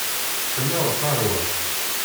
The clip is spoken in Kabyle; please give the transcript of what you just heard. Ḥemmleɣ lqahwa.